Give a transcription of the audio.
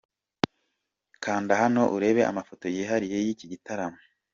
Kanda hano urebe amafoto yihariye y’iki gitaramo.